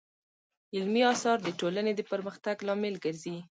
علمي اثار د ټولنې د پرمختګ لامل ګرځي.